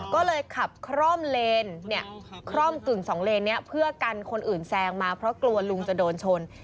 ก็เลยขับคร่อมเลนเนี่ยคร่อมกึ่งสองเลนนี้เพื่อกันคนอื่นแซงมาเพราะกลัวลุงจะโดนชน